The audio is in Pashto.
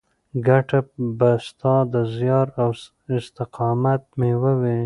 ګټه به ستا د زیار او استقامت مېوه وي.